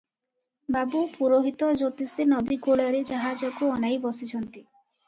ବାବୁ, ପୁରୋହିତ, ଜ୍ୟୋତିଷେ ନଦୀକୂଳରେ ଜାହାଜକୁ ଅନାଇ ବସିଛନ୍ତି ।